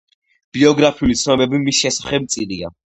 ბიოგრაფიული ცნობები მის შესახებ მწირია.